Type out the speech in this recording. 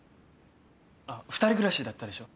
あっ２人暮らしだったでしょ。